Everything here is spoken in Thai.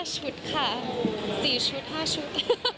ชุดค่ะ๔ชุด๕ชุด